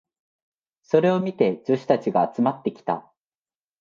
それを見て女子たちが集まってきた。